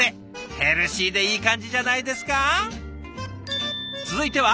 ヘルシーでいい感じじゃないですか！